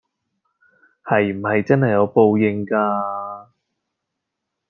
係唔係真係有報應架